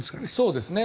そうですね。